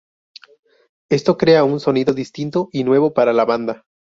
Esto crea un sonido distinto y nuevo para la banda.